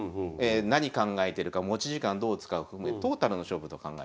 何考えてるか持ち時間どう使うかというトータルの勝負と考えてる。